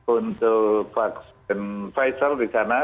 untuk vaksin pfizer disarankan